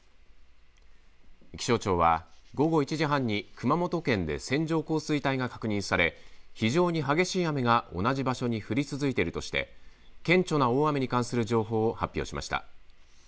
気象庁は午後１時半に熊本県で線状降水帯が確認され非常に激しい雨が同じ場所に降り続いているとして顕著な大雨に関する情報を発表しました。